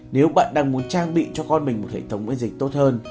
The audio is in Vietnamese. nếu bạn đang muốn trang bị cho con mình một hệ thống với dịch tốt hơn